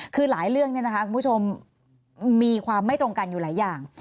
คือหลายเรื่องคุณผู้ชมมีความไม่ตรงกันอยู่หลายอย่าง